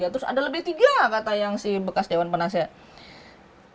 terus ada lebih tiga kata yang si bekas dewan penasehat